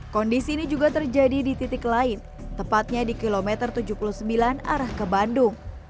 kondisi ini juga terjadi di titik lain tepatnya di kilometer tujuh puluh sembilan arah ke bandung